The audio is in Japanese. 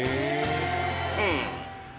うん。